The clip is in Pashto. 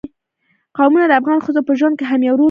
قومونه د افغان ښځو په ژوند کې هم یو رول لري.